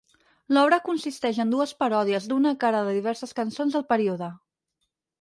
L'obra consisteix en dues paròdies d'una cara de diverses cançons del període.